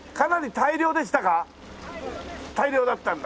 大漁だったんだ。